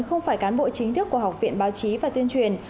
không phải cán bộ chính thức của học viện báo chí và tuyên truyền